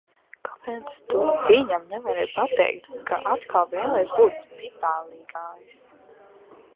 Kāpēc tu viņam nevari pateikt, ka atkal vēlies būt spitālīgais?